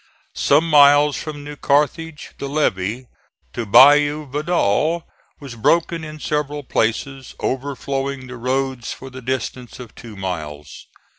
Some miles from New Carthage the levee to Bayou Vidal was broken in several places, overflowing the roads for the distance of two miles.